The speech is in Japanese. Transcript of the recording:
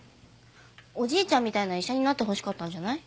おじいちゃんみたいな医者になってほしかったんじゃない？